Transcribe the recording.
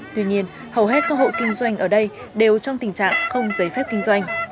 tuy nhiên hầu hết các hộ kinh doanh ở đây đều trong tình trạng không giấy phép kinh doanh